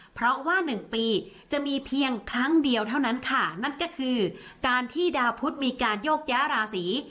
เพราะว่าหนึ่งปีจะมีเพียงครั้งเดียวเท่านั้นค่ะนั่นก็คือการที่ดาวพุทธมีการโยกย้าราศี